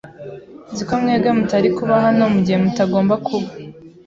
Nzi ko mwebwe mutari kuba hano mugihe mutagomba kuba.